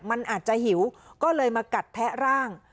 มันอาจจะหิวก็เลยมากัดแทะร่าง